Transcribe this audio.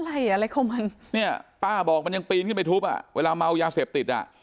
อะไรอ่ะอะไรของมันเนี่ยป้าบอกมันยังปีนขึ้นไปทุบอ่ะเวลาเมายาเสพติดอ่ะ